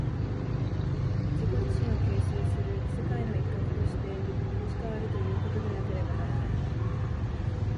自己自身を形成する世界の一角としてしかあるということでなければならない。